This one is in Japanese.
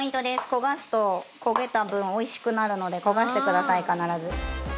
焦がすと焦げた分美味しくなるので焦がしてください必ず。